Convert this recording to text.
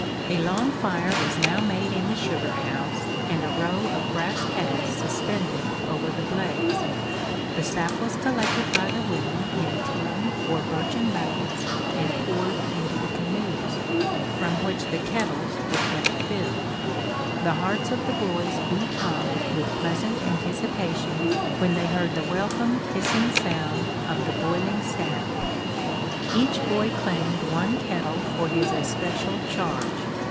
A long fire was now made in the sugar house, and a row of brass kettles suspended over the blaze. The sap was collected by the women in tin or birchen buckets and poured into the canoes, from which the kettles were kept filled. The hearts of the boys beat high with pleasant anticipations when they heard the welcome hissing sound of the boiling sap! Each boy claimed one kettle for his especial charge.